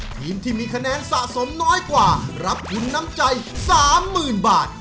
ทีมที่มีคะแนนสะสมน้อยกว่ารับทุนน้ำใจ๓๐๐๐บาท